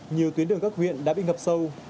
nhiều tuyến đường các huyện đã bị ngập sâu